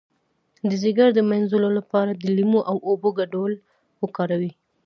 د ځیګر د مینځلو لپاره د لیمو او اوبو ګډول وکاروئ